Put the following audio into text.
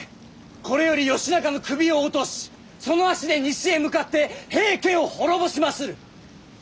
これより義仲の首を落としその足で西へ向かって平家を滅ぼしまする！